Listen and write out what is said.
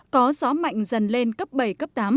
có gió mạnh dần lên cấp bảy cấp tám